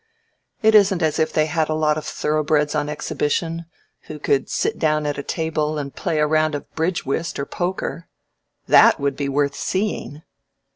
It isn't as if they had a lot of thoroughbreds on exhibition who could sit down at a table and play a round of bridge whist or poker. That would be worth seeing.